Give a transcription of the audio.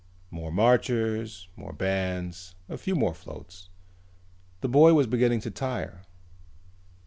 More marchers, more bands, a few more floats. The boy was beginning to tire.